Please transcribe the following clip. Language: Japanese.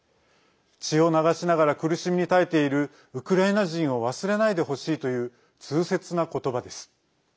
血を流しながら苦しみに耐えているウクライナ人を忘れないでほしいという痛切な言葉です。